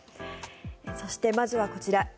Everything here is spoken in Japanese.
そして、まずはこちら。